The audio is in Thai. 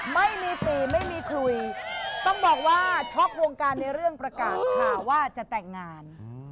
ไม่มีตีไม่มีคุยต้องบอกว่าช็อกวงการในเรื่องประกาศข่าวว่าจะแต่งงาน